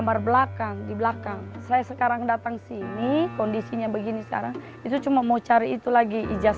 mereka dari atas hanya dari atas